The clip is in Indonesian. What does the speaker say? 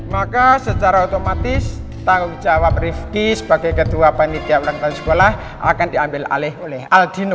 maka secara otomatis tanggung jawab rifqi sebagai ketua panitia orang tanjung sekolah akan diambil oleh aldino